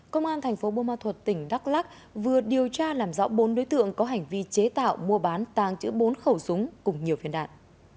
công an thành phố bô ma thuật tỉnh đắk lắc vừa điều tra làm rõ bốn đối tượng có hành vi chế tạo mua bán tàng chữ bốn khẩu súng cùng nhiều phiên đạn